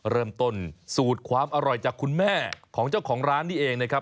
เริ่มต้นสูตรความอร่อยจากคุณแม่ของเจ้าของร้านนี้เองนะครับ